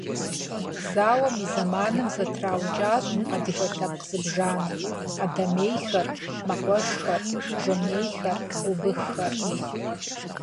Зауэм и зэманым зэтраукӏащ адыгэ лъэпкъ зыбжанэ: адэмейхэр, мэкъуэшхэр, жанейхэр, убыххэр.